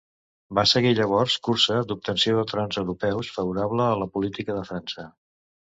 Va seguir llavors cursa d'obtenció de trons europeus, favorable a la política de França.